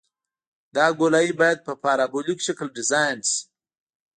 دا ګولایي باید په پارابولیک شکل ډیزاین شي